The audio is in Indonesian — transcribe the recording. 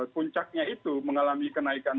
puncaknya itu mengalami kenaikan